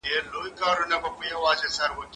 کېدای سي موبایل خراب وي!.